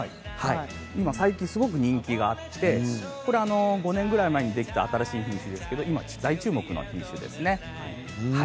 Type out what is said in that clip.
今、最近すごく人気があって５年ぐらい前にできた新しい品種ですけど今、大注目の品種です。